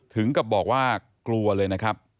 ถึงกับบอกว่ากลัวเลยนะครับ